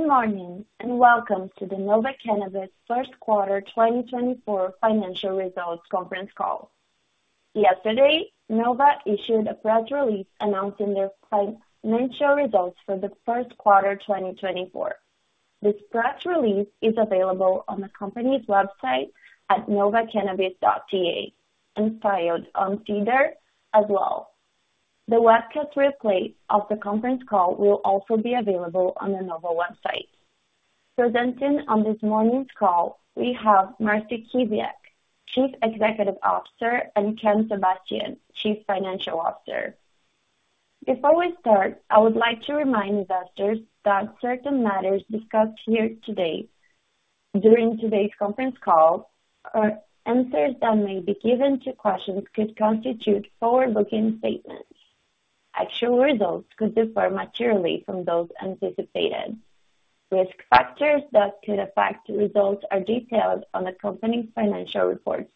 Good morning and welcome to the Nova Cannabis First Quarter 2024 Financial Results Conference Call. Yesterday, Nova issued a press release announcing their financial results for the first quarter 2024. This press release is available on the company's website at novacannabis.ca and filed on SEDAR+ as well. The webcast replay of the conference call will also be available on the Nova website. Presenting on this morning's call, we have Marcie Kiziak, Chief Executive Officer, and Cameron Richardson, Chief Financial Officer. Before we start, I would like to remind investors that certain matters discussed here today during today's conference call, or answers that may be given to questions, could constitute forward-looking statements. Actual results could differ materially from those anticipated. Risk factors that could affect results are detailed on the company's financial reports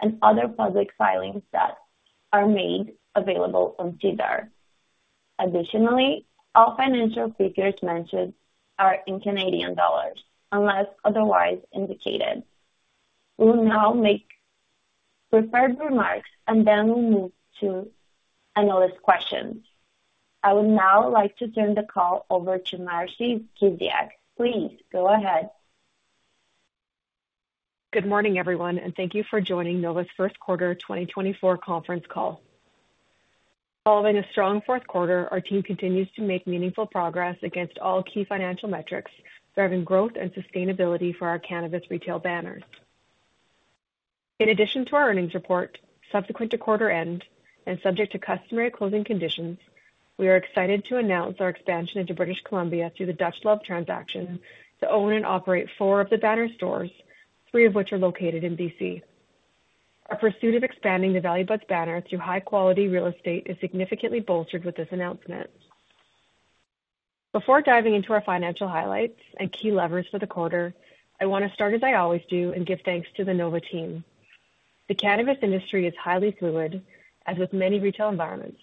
and other public filings that are made available on SEDAR+. Additionally, all financial figures mentioned are in Canadian dollars, unless otherwise indicated. We'll now make prepared remarks, and then we'll move to analyst questions. I would now like to turn the call over to Marcie Kiziak. Please go ahead. Good morning, everyone, and thank you for joining Nova's First Quarter 2024 Conference Call. Following a strong fourth quarter, our team continues to make meaningful progress against all key financial metrics, driving growth and sustainability for our cannabis retail banners. In addition to our earnings report, subsequent to quarter-end, and subject to customary closing conditions, we are excited to announce our expansion into British Columbia through the Dutch Love transaction to own and operate 4 of the banner stores, 3 of which are located in B.C. Our pursuit of expanding the Value Buds banner through high-quality real estate is significantly bolstered with this announcement. Before diving into our financial highlights and key levers for the quarter, I want to start as I always do and give thanks to the Nova team. The cannabis industry is highly fluid, as with many retail environments.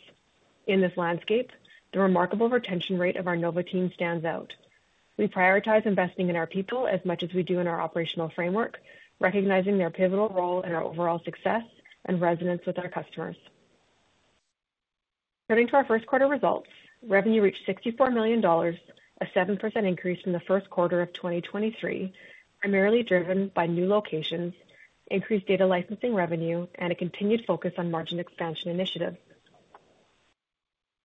In this landscape, the remarkable retention rate of our Nova team stands out. We prioritize investing in our people as much as we do in our operational framework, recognizing their pivotal role in our overall success and resonance with our customers. Turning to our first quarter results, revenue reached 64 million dollars, a 7% increase from the first quarter of 2023, primarily driven by new locations, increased data licensing revenue, and a continued focus on margin expansion initiatives.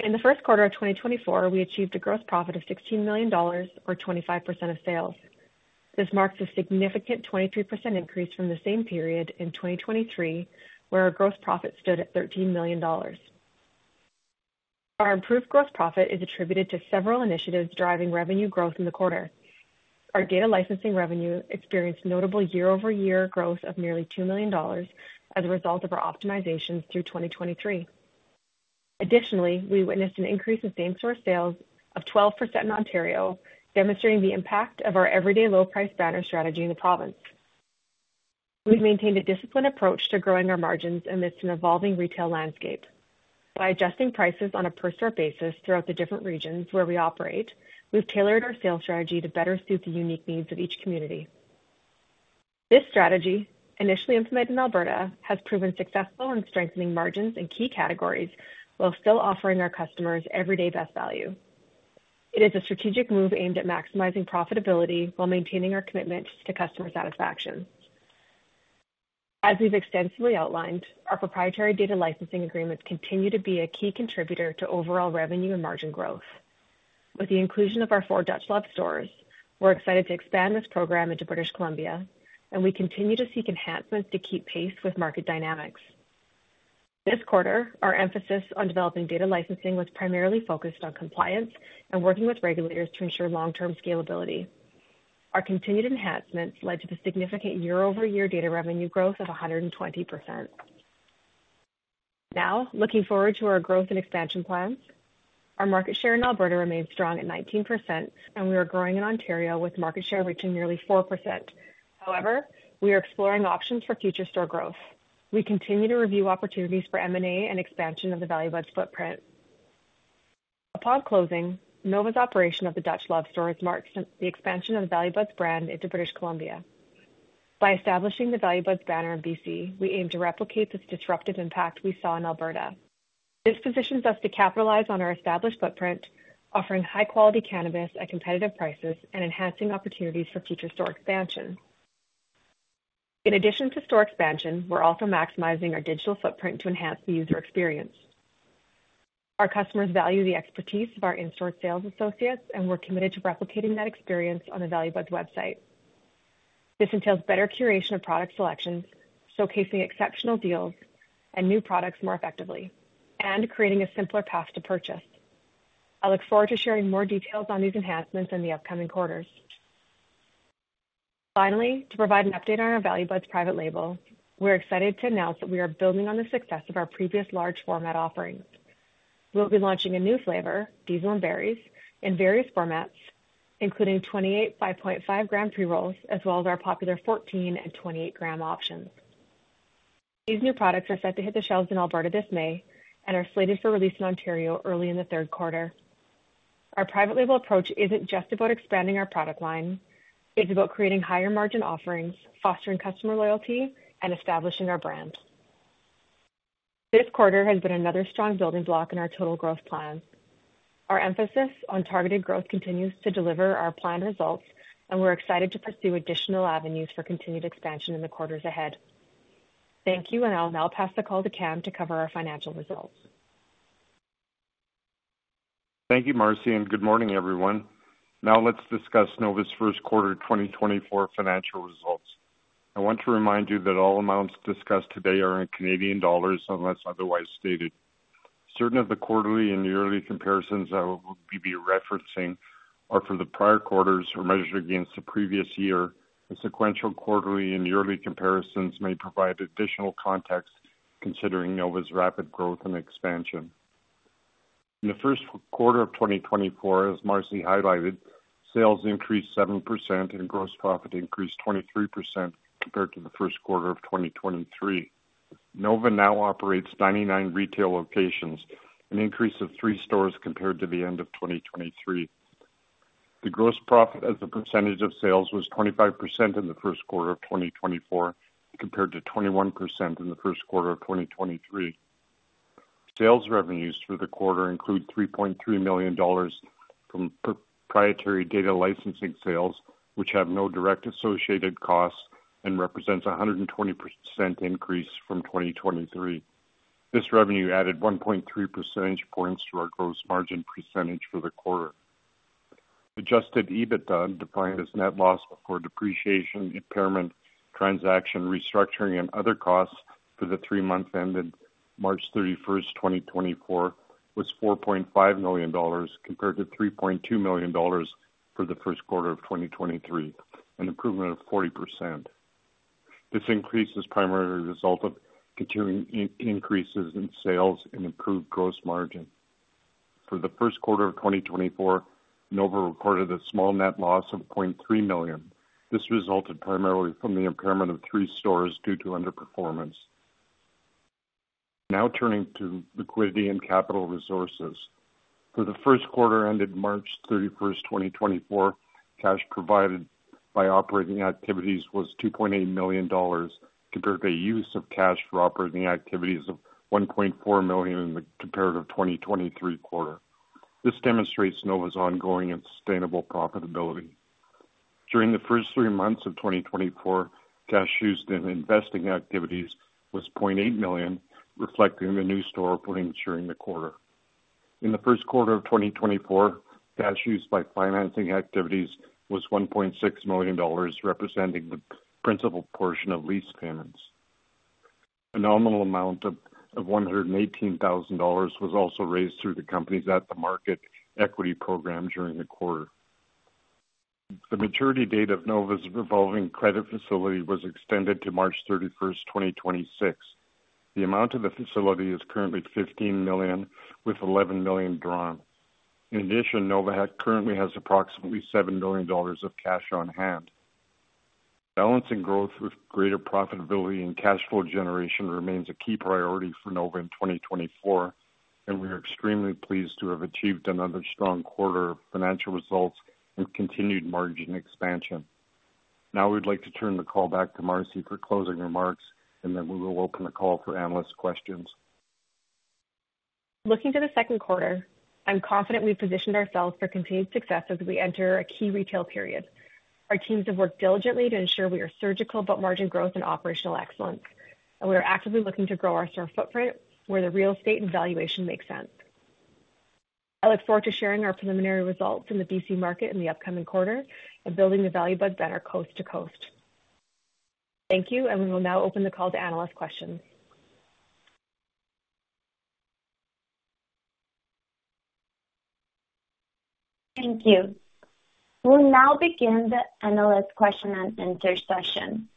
In the first quarter of 2024, we achieved a gross profit of 16 million dollars, or 25% of sales. This marks a significant 23% increase from the same period in 2023, where our gross profit stood at 13 million dollars. Our improved gross profit is attributed to several initiatives driving revenue growth in the quarter. Our data licensing revenue experienced notable year-over-year growth of nearly 2 million dollars as a result of our optimizations through 2023. Additionally, we witnessed an increase in same-store sales of 12% in Ontario, demonstrating the impact of our everyday low-price banner strategy in the province. We've maintained a disciplined approach to growing our margins amidst an evolving retail landscape. By adjusting prices on a per-store basis throughout the different regions where we operate, we've tailored our sales strategy to better suit the unique needs of each community. This strategy, initially implemented in Alberta, has proven successful in strengthening margins in key categories while still offering our customers everyday best value. It is a strategic move aimed at maximizing profitability while maintaining our commitment to customer satisfaction. As we've extensively outlined, our proprietary data licensing agreements continue to be a key contributor to overall revenue and margin growth. With the inclusion of our 4 Dutch Love stores, we're excited to expand this program into British Columbia, and we continue to seek enhancements to keep pace with market dynamics. This quarter, our emphasis on developing data licensing was primarily focused on compliance and working with regulators to ensure long-term scalability. Our continued enhancements led to the significant year-over-year data revenue growth of 120%. Now, looking forward to our growth and expansion plans, our market share in Alberta remains strong at 19%, and we are growing in Ontario with market share reaching nearly 4%. However, we are exploring options for future store growth. We continue to review opportunities for M&A and expansion of the Value Buds footprint. Upon closing, Nova's operation of the Dutch Love stores marks the expansion of the Value Buds brand into British Columbia. By establishing the Value Buds banner in BC, we aim to replicate this disruptive impact we saw in Alberta. This positions us to capitalize on our established footprint, offering high-quality cannabis at competitive prices and enhancing opportunities for future store expansion. In addition to store expansion, we're also maximizing our digital footprint to enhance the user experience. Our customers value the expertise of our in-store sales associates, and we're committed to replicating that experience on the Value Buds website. This entails better curation of product selections, showcasing exceptional deals and new products more effectively, and creating a simpler path to purchase. I look forward to sharing more details on these enhancements in the upcoming quarters. Finally, to provide an update on our Value Buds private label, we're excited to announce that we are building on the success of our previous large-format offerings. We'll be launching a new flavor, Diesel and Berries, in various formats, including 28 0.5-gram pre-rolls as well as our popular 14- and 28-gram options. These new products are set to hit the shelves in Alberta this May and are slated for release in Ontario early in the third quarter. Our private label approach isn't just about expanding our product line. It's about creating higher-margin offerings, fostering customer loyalty, and establishing our brand. This quarter has been another strong building block in our total growth plan. Our emphasis on targeted growth continues to deliver our planned results, and we're excited to pursue additional avenues for continued expansion in the quarters ahead. Thank you, and I'll now pass the call to Cam to cover our financial results. Thank you, Marcie, and good morning, everyone. Now let's discuss Nova's first quarter 2024 financial results. I want to remind you that all amounts discussed today are in Canadian dollars unless otherwise stated. Certain of the quarterly and yearly comparisons I will be referencing are for the prior quarters or measured against the previous year, and sequential quarterly and yearly comparisons may provide additional context considering Nova's rapid growth and expansion. In the first quarter of 2024, as Marcie highlighted, sales increased 7% and gross profit increased 23% compared to the first quarter of 2023. Nova now operates 99 retail locations, an increase of 3 stores compared to the end of 2023. The gross profit as a percentage of sales was 25% in the first quarter of 2024 compared to 21% in the first quarter of 2023. Sales revenues for the quarter include 3.3 million dollars from proprietary data licensing sales, which have no direct associated costs and represents a 120% increase from 2023. This revenue added 1.3 percentage points to our gross margin percentage for the quarter. Adjusted EBITDA, defined as net loss before depreciation, impairment, transaction, restructuring, and other costs for the three-month ended March 31st, 2024, was 4.5 million dollars compared to 3.2 million dollars for the first quarter of 2023, an improvement of 40%. This increase is primarily a result of continuing increases in sales and improved gross margin. For the first quarter of 2024, Nova reported a small net loss of 0.3 million. This resulted primarily from the impairment of three stores due to underperformance. Now turning to liquidity and capital resources. For the first quarter ended March 31st, 2024, cash provided by operating activities was 2.8 million dollars compared to a use of cash for operating activities of 1.4 million in the comparative 2023 quarter. This demonstrates Nova's ongoing and sustainable profitability. During the first three months of 2024, cash used in investing activities was 0.8 million, reflecting the new store opening during the quarter. In the first quarter of 2024, cash used by financing activities was 1.6 million dollars, representing the principal portion of lease payments. A nominal amount of 118,000 dollars was also raised through the company's at-the-market equity program during the quarter. The maturity date of Nova's revolving credit facility was extended to March 31st, 2026. The amount of the facility is currently 15 million, with 11 million drawn. In addition, Nova currently has approximately 7 million dollars of cash on hand. Balancing growth with greater profitability and cash flow generation remains a key priority for Nova in 2024, and we are extremely pleased to have achieved another strong quarter of financial results and continued margin expansion. Now we'd like to turn the call back to Marcie for closing remarks, and then we will open the call for analyst questions. Looking to the second quarter, I'm confident we've positioned ourselves for continued success as we enter a key retail period. Our teams have worked diligently to ensure we are surgical about margin growth and operational excellence, and we are actively looking to grow our store footprint where the real estate and valuation make sense. I look forward to sharing our preliminary results in the BC market in the upcoming quarter and building the Value Buds banner coast to coast. Thank you, and we will now open the call to analyst questions. Thank you. We'll now begin the analyst question and answer session.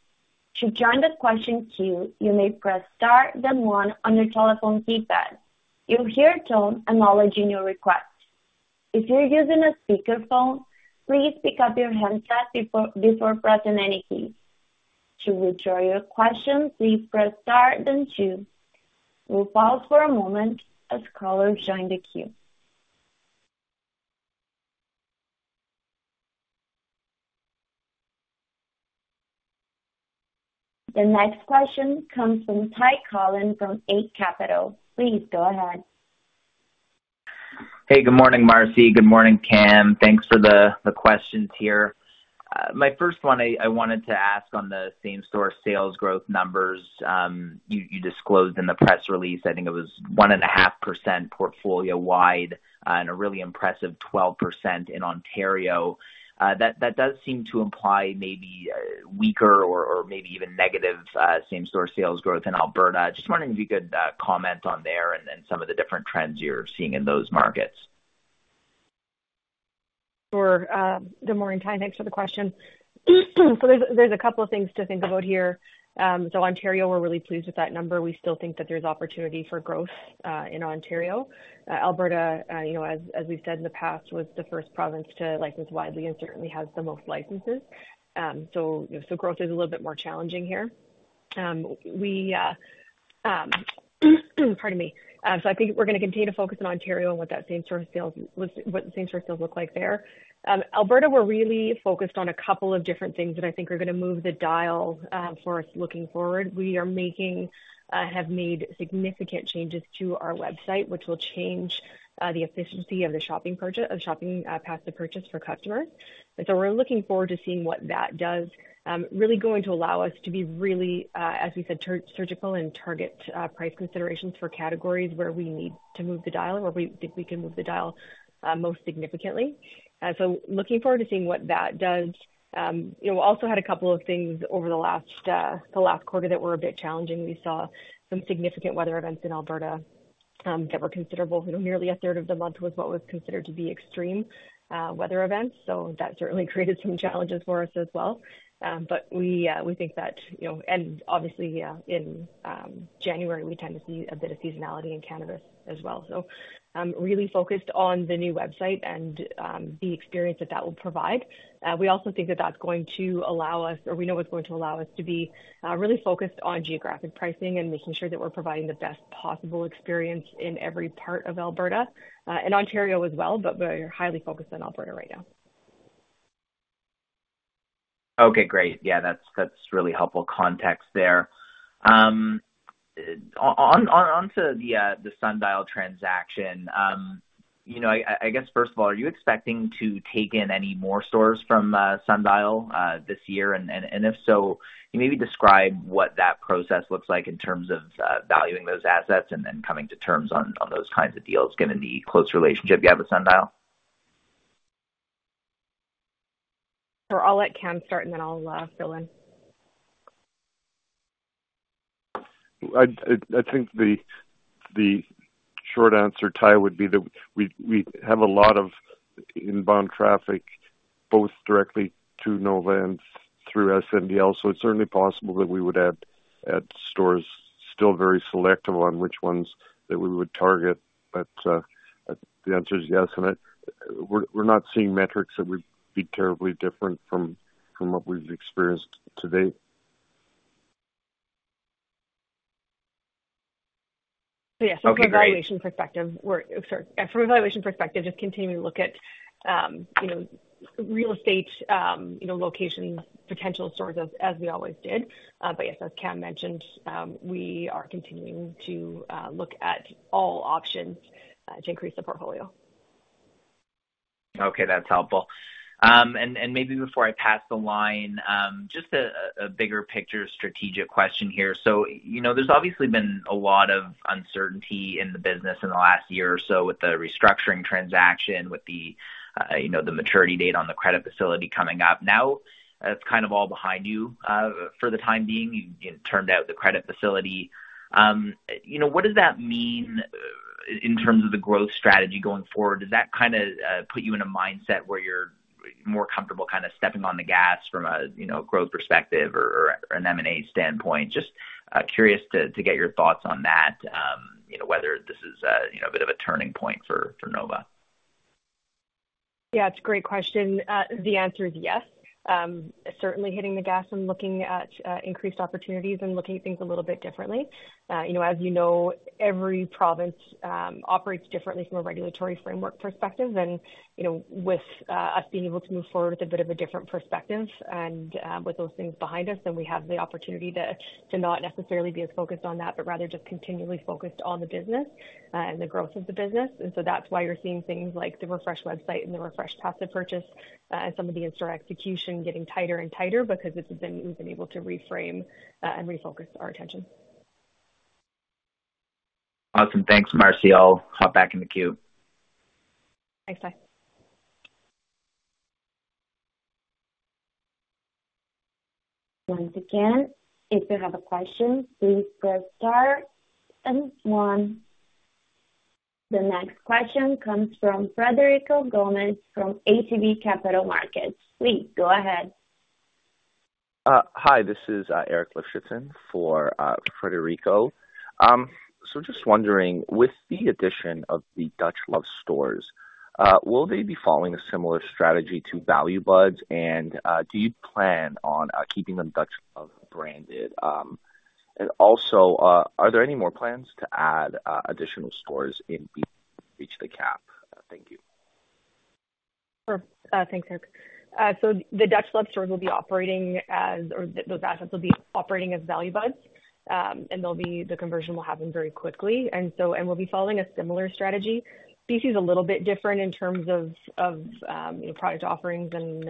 To join the question queue, you may press star, then 1 on your telephone keypad. You'll hear a tone acknowledging your request. If you're using a speakerphone, please pick up your handset before pressing any key. To withdraw your question, please press star, then 2. We'll pause for a moment as callers join the queue. The next question comes from Ty Collin from Eight Capital. Please go ahead. Hey, good morning, Marcie. Good morning, Cam. Thanks for the questions here. My first one, I wanted to ask on the same-store sales growth numbers you disclosed in the press release. I think it was 1.5% portfolio-wide and a really impressive 12% in Ontario. That does seem to imply maybe weaker or maybe even negative same-store sales growth in Alberta. Just wondering if you could comment on there and some of the different trends you're seeing in those markets. Sure. Good morning, Ty. Thanks for the question. There's a couple of things to think about here. Ontario, we're really pleased with that number. We still think that there's opportunity for growth in Ontario. Alberta, as we've said in the past, was the first province to license widely and certainly has the most licenses. Growth is a little bit more challenging here. Pardon me. I think we're going to continue to focus on Ontario and what that same-store sales look like there. Alberta, we're really focused on a couple of different things that I think are going to move the dial for us looking forward. We have made significant changes to our website, which will change the efficiency of the shopping path to purchase for customers. And so we're looking forward to seeing what that does, really going to allow us to be really, as we said, surgical and target price considerations for categories where we need to move the dial or where we think we can move the dial most significantly. So looking forward to seeing what that does. We also had a couple of things over the last quarter that were a bit challenging. We saw some significant weather events in Alberta that were considerable. Nearly a third of the month was what was considered to be extreme weather events. So that certainly created some challenges for us as well. But we think that and obviously, in January, we tend to see a bit of seasonality in cannabis as well. So really focused on the new website and the experience that that will provide. We also think that that's going to allow us or we know it's going to allow us to be really focused on geographic pricing and making sure that we're providing the best possible experience in every part of Alberta and Ontario as well, but we're highly focused on Alberta right now. Okay, great. Yeah, that's really helpful context there. Onto the Sundial transaction, I guess, first of all, are you expecting to take in any more stores from Sundial this year? And if so, maybe describe what that process looks like in terms of valuing those assets and then coming to terms on those kinds of deals, given the close relationship you have with Sundial. Sure. I'll let Cam start, and then I'll fill in. I think the short answer, Ty, would be that we have a lot of inbound traffic both directly to Nova and through SNDL. So it's certainly possible that we would add stores, still very selective on which ones that we would target, but the answer is yes. And we're not seeing metrics that would be terribly different from what we've experienced to date. So yes, from an evaluation perspective, just continuing to look at real estate locations, potential stores as we always did. But yes, as Cam mentioned, we are continuing to look at all options to increase the portfolio. Okay, that's helpful. Maybe before I pass the line, just a bigger picture strategic question here. There's obviously been a lot of uncertainty in the business in the last year or so with the restructuring transaction, with the maturity date on the credit facility coming up. Now it's kind of all behind you for the time being. You turned out the credit facility. What does that mean in terms of the growth strategy going forward? Does that kind of put you in a mindset where you're more comfortable kind of stepping on the gas from a growth perspective or an M&A standpoint? Just curious to get your thoughts on that, whether this is a bit of a turning point for Nova. Yeah, it's a great question. The answer is yes, certainly hitting the gas and looking at increased opportunities and looking at things a little bit differently. As you know, every province operates differently from a regulatory framework perspective. And with us being able to move forward with a bit of a different perspective and with those things behind us, then we have the opportunity to not necessarily be as focused on that, but rather just continually focused on the business and the growth of the business. And so that's why you're seeing things like the refresh website and the refresh path to purchase and some of the in-store execution getting tighter and tighter, because we've been able to reframe and refocus our attention. Awesome. Thanks, Marcie. I'll hop back in the queue. Thanks, Ty. Once again, if you have a question, please press star, then 1. The next question comes from Frederico Gomes from ATB Capital Markets. Please go ahead. Hi, this is Eric Lifson for Frederico. So just wondering, with the addition of the Dutch Love stores, will they be following a similar strategy to Value Buds, and do you plan on keeping them Dutch Love branded? And also, are there any more plans to add additional stores to reach the cap? Thank you. Sure. Thanks, Eric. So the Dutch Love stores will be operating as or those assets will be operating as Value Buds, and the conversion will happen very quickly. We'll be following a similar strategy. BC is a little bit different in terms of product offerings and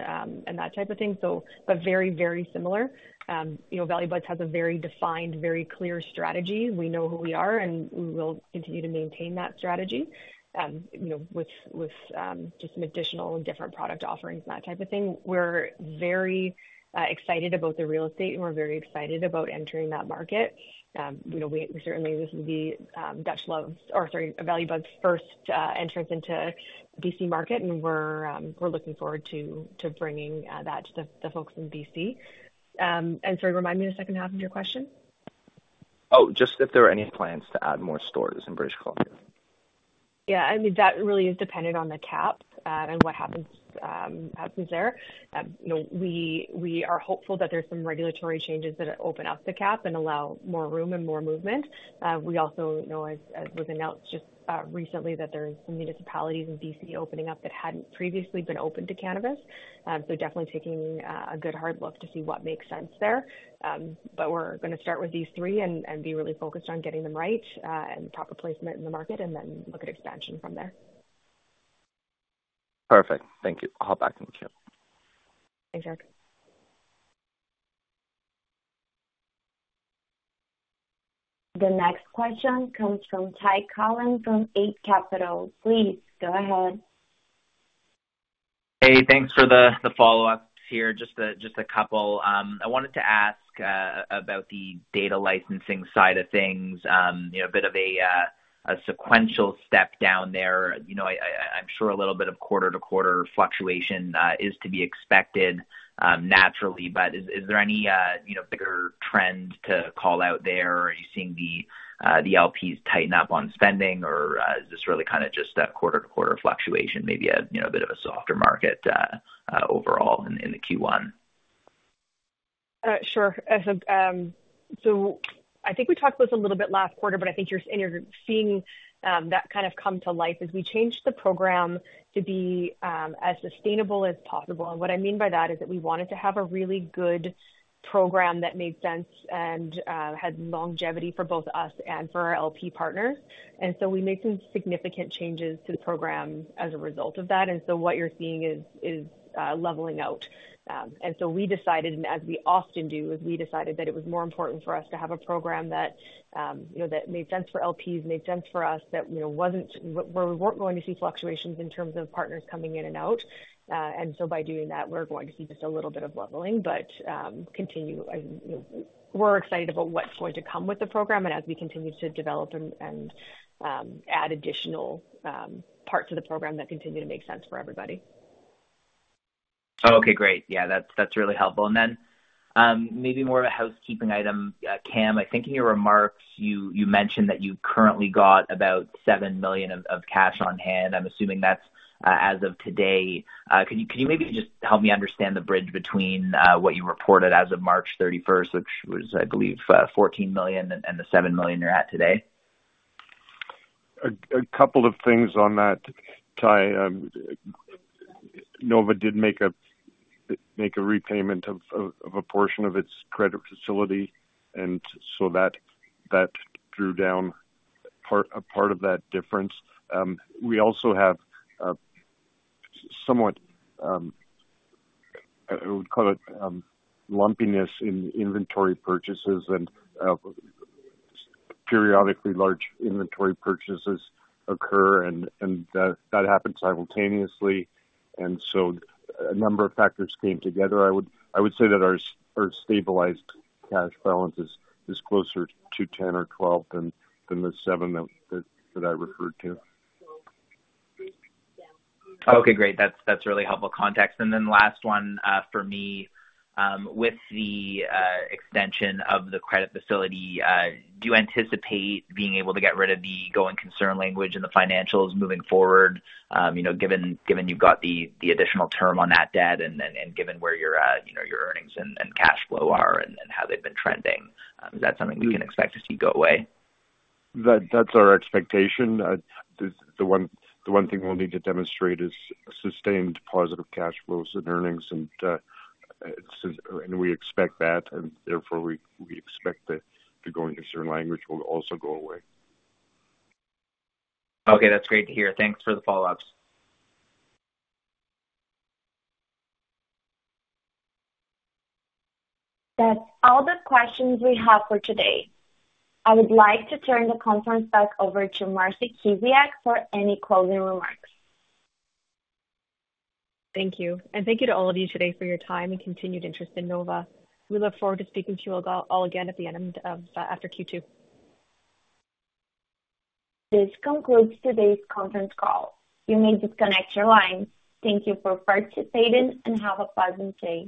that type of thing, but very, very similar. Value Buds has a very defined, very clear strategy. We know who we are, and we will continue to maintain that strategy with just some additional and different product offerings and that type of thing. We're very excited about the real estate, and we're very excited about entering that market. Certainly, this will be Dutch Love or sorry, Value Buds' first entrance into the BC market, and we're looking forward to bringing that to the folks in BC. Sorry, remind me the second half of your question. Oh, just if there are any plans to add more stores in British Columbia? Yeah, I mean, that really is dependent on the cap and what happens there. We are hopeful that there's some regulatory changes that open up the cap and allow more room and more movement. We also, as was announced just recently, that there are some municipalities in BC opening up that hadn't previously been open to cannabis. So definitely taking a good hard look to see what makes sense there. But we're going to start with these three and be really focused on getting them right and proper placement in the market, and then look at expansion from there. Perfect. Thank you. I'll hop back in the queue. Thanks, Eric. The next question comes from Ty Collin from Eight Capital. Please go ahead. Hey, thanks for the follow-ups here. Just a couple. I wanted to ask about the data licensing side of things, a bit of a sequential step down there. I'm sure a little bit of quarter-to-quarter fluctuation is to be expected naturally, but is there any bigger trend to call out there? Are you seeing the LPs tighten up on spending, or is this really kind of just a quarter-to-quarter fluctuation, maybe a bit of a softer market overall in the Q1? Sure. So I think we talked about this a little bit last quarter, but I think you're seeing that kind of come to life as we changed the program to be as sustainable as possible. What I mean by that is that we wanted to have a really good program that made sense and had longevity for both us and for our LP partners. So we made some significant changes to the program as a result of that. What you're seeing is leveling out. We decided, and as we often do, is we decided that it was more important for us to have a program that made sense for LPs, made sense for us, where we weren't going to see fluctuations in terms of partners coming in and out. And so by doing that, we're going to see just a little bit of leveling, but continue. We're excited about what's going to come with the program and as we continue to develop and add additional parts of the program that continue to make sense for everybody. Oh, okay, great. Yeah, that's really helpful. And then maybe more of a housekeeping item, Cam. I think in your remarks, you mentioned that you currently got about 7 million of cash on hand. I'm assuming that's as of today. Could you maybe just help me understand the bridge between what you reported as of March 31st, which was, I believe, 14 million, and the 7 million you're at today? A couple of things on that, Ty. Nova did make a repayment of a portion of its credit facility, and so that drew down a part of that difference. We also have somewhat, I would call it, lumpiness in inventory purchases, and periodically, large inventory purchases occur, and that happens simultaneously. And so a number of factors came together. I would say that our stabilized cash balance is closer to 10 or 12 than the 7 that I referred to. Oh, okay, great. That's really helpful context. And then last one for me, with the extension of the credit facility, do you anticipate being able to get rid of the going concern language in the financials moving forward, given you've got the additional term on that debt and given where your earnings and cash flow are and how they've been trending? Is that something we can expect to see go away? That's our expectation. The one thing we'll need to demonstrate is sustained positive cash flows and earnings, and we expect that. Therefore, we expect the going concern language will also go away. Okay, that's great to hear. Thanks for the follow-ups. That's all the questions we have for today. I would like to turn the conference back over to Marcie Kiziak for any closing remarks. Thank you. Thank you to all of you today for your time and continued interest in Nova. We look forward to speaking to you all again at the end of Q2. This concludes today's conference call. You may disconnect your line. Thank you for participating, and have a pleasant day.